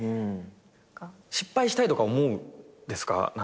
失敗したいとか思うんですか？